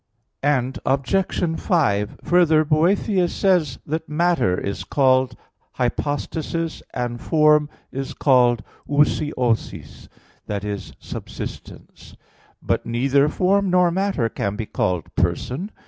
Obj. 5: Further, Boethius says (Com. Praed.) that matter is called hypostasis, and form is called ousiosis that is, subsistence. But neither form nor matter can be called person.